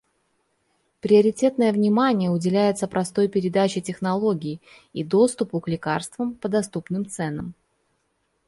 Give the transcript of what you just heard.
Приоритетное внимание уделяется простой передаче технологии и доступу к лекарствам по доступным ценам.